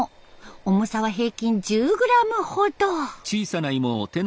重さは平均１０グラムほど。